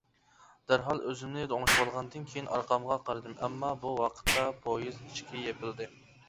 دەرھال ئۆزۈمنى ئوڭشىۋالغاندىن كېيىن ئارقامغا قارىدىم ئەمما بۇ ۋاقىتتا پويىز ئىشىكى يېپىلدى.